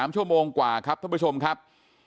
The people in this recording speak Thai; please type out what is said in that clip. ๓ชั่วโมงกว่าครับท่านผู้ชมครับ